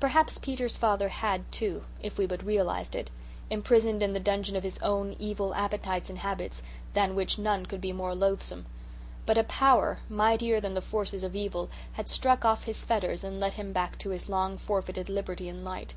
Perhaps Peter's father had too, if we but realized it imprisoned in the dungeon of his own evil appetites and habits, than which none could be more loathsome. But a Power, mightier than the forces of evil, had struck off his fetters and led him back to his long forfeited liberty and light.